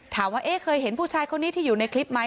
ว่าเคยเห็นผู้ชายคนนี้ที่อยู่ในคลิปไหม